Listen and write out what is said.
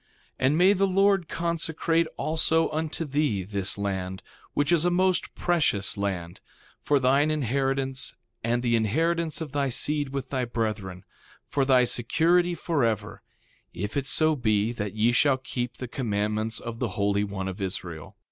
3:2 And may the Lord consecrate also unto thee this land, which is a most precious land, for thine inheritance and the inheritance of thy seed with thy brethren, for thy security forever, if it so be that ye shall keep the commandments of the Holy One of Israel.